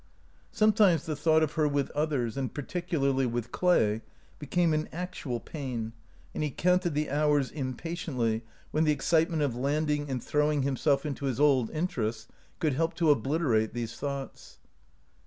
Sometimes the thought of her with others, and particularly with Clay, became an act ual pain, and he counted the hours impa tiently when the excitement of landing and 204 OUT OF BOHEMIA throwing himself into his old interests could help to obliterate these thoughts.